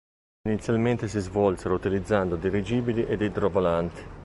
Inizialmente si svolsero utilizzando dirigibili ed idrovolanti.